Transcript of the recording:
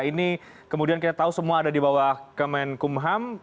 ini kemudian kita tahu semua ada di bawah kemenkumham